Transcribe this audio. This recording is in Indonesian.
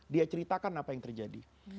dia ceritakan apa yang terjadi